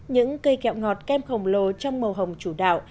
những cây kẹo ngọt kem khổng lồ trong màu hồng chủ đạo